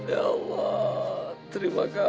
ya allah terima kasih